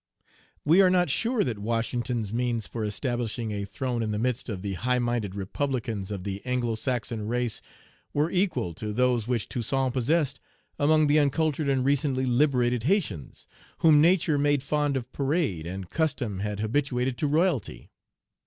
We are not sure that Washington's means for establishing a throne in the midst of the high minded republicans of the Anglo Saxon race were equal to those which Toussaint possessed among the uncultured and recently liberated Haytians, whom nature made fond of parade, and custom had habituated to royalty.